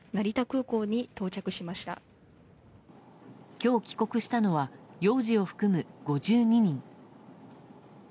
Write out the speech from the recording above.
今日帰国したのは幼児を含む５２人。